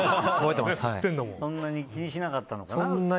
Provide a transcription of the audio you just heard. そんなに気にしなかったのかな。